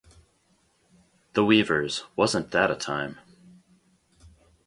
The Weavers: Wasn't That a Time!